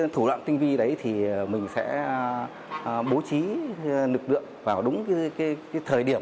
thủ đoạn tinh vi đấy thì mình sẽ bố trí lực lượng vào đúng thời điểm